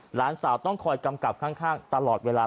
หลานสาวต้องคอยกำกับข้างตลอดเวลา